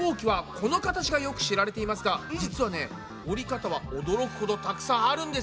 この形がよく知られていますが実はね折り方は驚くほどたくさんあるんです。